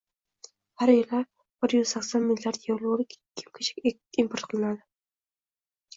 har yili bir yuz sakson milliard yevrolik kiyim-kechak import qiladi.